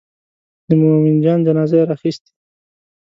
د مومن جان جنازه یې راخیستې.